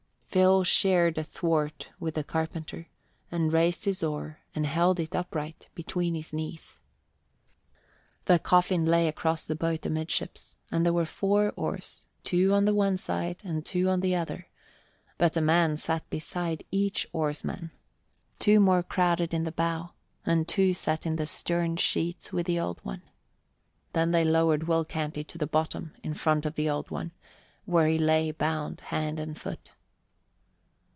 Phil shared a thwart with the carpenter, and raised his oar and held it upright between his knees. The coffin lay across the boat amidships, and there were four oars, two on the one side and two on the other; but a man sat beside each oarsman, two more crowded into the bow, and two sat in the stern sheets with the Old One. Then they lowered Will Canty to the bottom in front of the Old One, where he lay bound hand and foot.